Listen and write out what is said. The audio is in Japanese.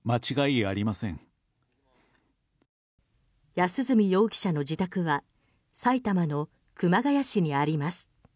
安栖容疑者の自宅は埼玉の熊谷市にあります。